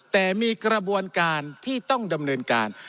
แต่มีกระบวนการที่ต้องดำเนินการ